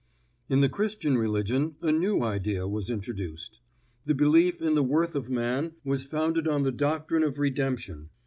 In the Christian religion a new idea was introduced. The belief in the worth of man was founded on the doctrine of redemption.